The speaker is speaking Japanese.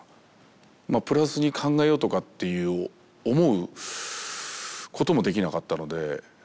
プラスに考えようとかっていう思うこともできなかったので。